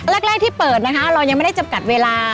แรกที่เปิดนะคะเรายังไม่ได้จำกัดเวลา